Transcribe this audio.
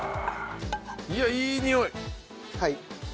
いやいいにおい！